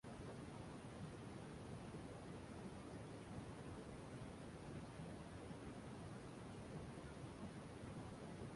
সেই সময়ে তার প্রেম আগ্রহ, ড্যানি সান্তোস, একজন প্রাক্তন উচ্ছৃঙ্খল জনতা ছিল।